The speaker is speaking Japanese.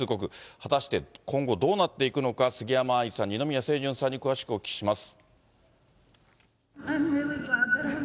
果たして今後、どうなっていくのか、杉山愛さん、二宮清純さんに詳しくお聞きします。